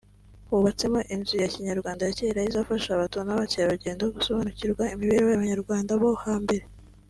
Hubatsemo inzu ya Kinyarwanda ya kera izafasha abato n’abakerarugendo gusobanukirwa imibereho y’abanyarwanda bo ha mbere